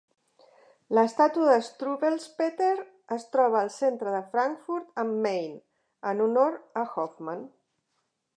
L'estàtua de Struwwelpeter es troba al centre de Frankfurt am Main, en honor a Hoffman.